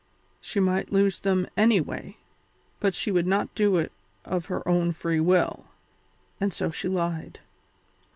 She might lose them anyway, but she would not do it of her own free will, and so she lied.